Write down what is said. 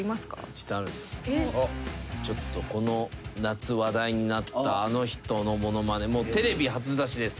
実はあるんですちょっとこの夏話題になったあの人のものまねもテレビ初出しです